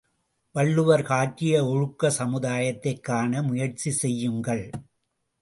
வள்ளுவர் காட்டிய ஒழுக்கச் சமுதாயத்தைக் காண முயற்சி செய்யுங்கள்!